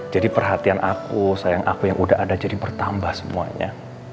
jadi perhatian aku sayang aku yang udah ada jadi bertambah semuanya